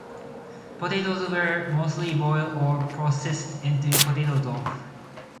Potatoes were mostly boiled or processed into potato dough.